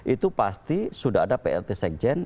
itu pasti sudah ada plt sekjen